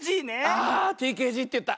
あＴＫＧっていった。